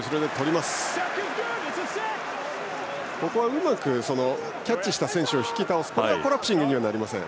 うまくキャッチした選手を引き倒すこれはコラプシングにはなりません。